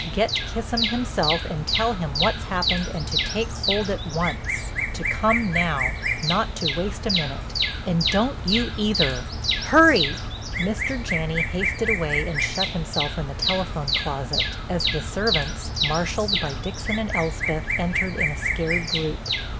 Get Kissam himself and tell him what's happened and to take hold at once—to come now, not to waste a minute. And don't you either—hurry!—" Mr. Janney hasted away and shut himself in the telephone closet, as the servants, marshaled by Dixon and Elspeth, entered in a scared group.